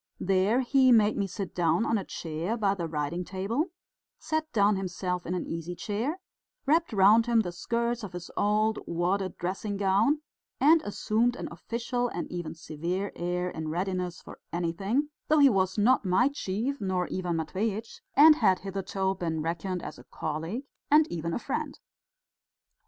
There he made me sit down on a chair by the writing table, sat down himself in an easy chair, wrapped round him the skirts of his old wadded dressing gown, and assumed an official and even severe air, in readiness for anything, though he was not my chief nor Ivan Matveitch's, and had hitherto been reckoned as a colleague and even a friend.